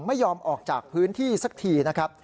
ไม่ยอมออกจากพื้นที่สักทีนะครับ